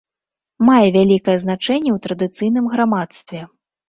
Мае вялікае значэнне ў традыцыйным грамадстве.